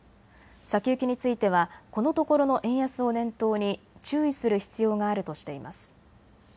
先行きについてはこのところの円安を念頭に注意する必要があるとしています。